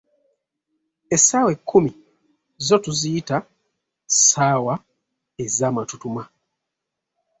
Essaawa ekkumi zo tuziyita, "ssaawa ezamatutuma"